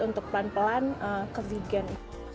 untuk pelan pelan ke vegan